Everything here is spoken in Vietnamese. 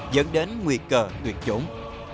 dẫn đến nguy cơ tuyệt chủng